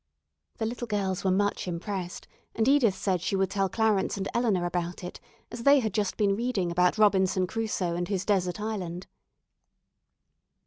The little girls were much impressed, and Edith said she would tell Clarence and Eleanor about it, as they had just been reading about Robinson Crusoe and his desert island.